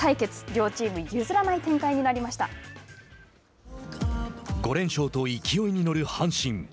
両チーム譲らない展開に５連勝と勢いに乗る阪神。